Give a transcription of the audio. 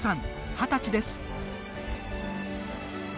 二十歳です。